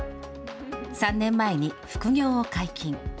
３年前に副業を解禁。